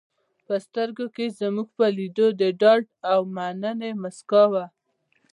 په سترګو کې یې زموږ په لیدو د ډاډ او مننې موسکا وه.